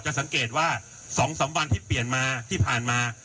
จะสังเกตว่า๒๓วันที่ผ่านมา